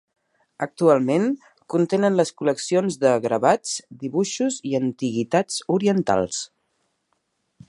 Actualment, contenen les col·leccions de gravats, dibuixos i antiguitats orientals.